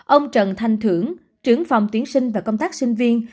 ông trần thanh thưởng trưởng phòng tiến sinh và công tác sinh viên